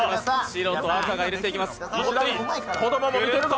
白と赤が揺れていきます。